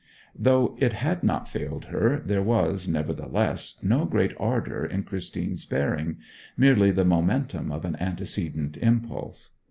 Though it had not failed her, there was, nevertheless, no great ardour in Christine's bearing merely the momentum of an antecedent impulse.